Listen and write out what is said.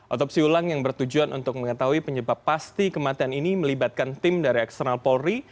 otopsi ulang yang bertujuan untuk mengetahui penyebab pasti kematian ini melibatkan tim dari eksternal polri